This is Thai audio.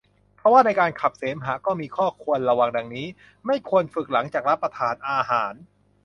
ทว่าในการขับเสมหะก็มีข้อควรระวัง ดังนี้ ไม่ควรฝึกหลังจากรับประทานอาหาร